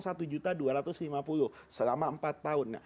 selama empat tahun